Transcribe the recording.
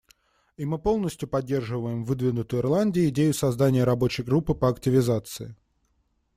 И мы полностью поддерживаем выдвинутую Ирландией идею создания рабочей группы по активизации.